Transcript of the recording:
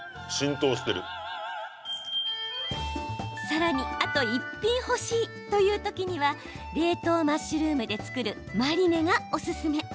さらに、あと一品欲しいという時には冷凍マッシュルームで作るマリネがおすすめ。